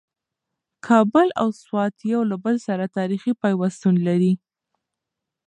کابل او سوات یو له بل سره تاریخي پیوستون لري.